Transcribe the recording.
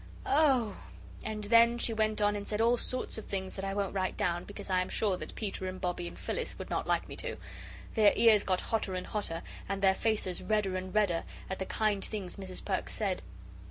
Oh " and then she went on and said all sorts of things that I won't write down, because I am sure that Peter and Bobbie and Phyllis would not like me to. Their ears got hotter and hotter, and their faces redder and redder, at the kind things Mrs. Perks said.